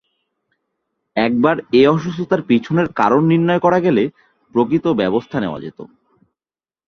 একবার এ অসুস্থতার পিছনের কারণ নির্ণয় করা গেলে, প্রকৃত ব্যবস্থা নেওয়া যেত।